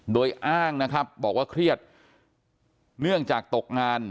โดยอ้างนะครับบอกว่าเครียดเนื่องจากตกงาน